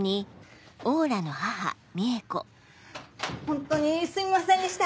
ホントにすいませんでした！